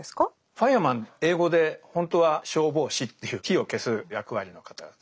ファイアマン英語でほんとは「消防士」という火を消す役割の方々ですよね。